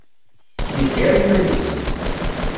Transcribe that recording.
Yeggar iman-is.